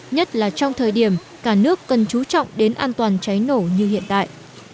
nhất là trong thời điểm cả nước cần chú trọng đến an toàn cháy nổ như hiện tại